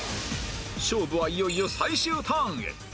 勝負はいよいよ最終ターンへ